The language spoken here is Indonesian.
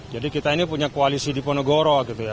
jadi kita ini punya koalisi diponegoro gitu ya